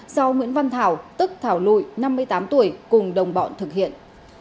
do nguyễn văn thảo tức thảo lụy năm mươi tám tuổi cùng đồng bọn thực hiện